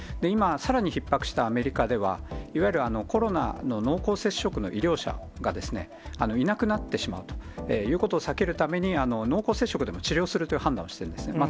今、さらにひっ迫したアメリカでは、いわゆるコロナの濃厚接触の医療者がですね、いなくなってしまうということを避けるために、濃厚接触でも治療するという判断をしています。